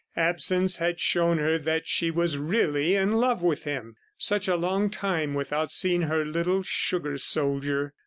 Absence had shown her that she was really in love with him. Such a long time without seeing her little sugar soldier!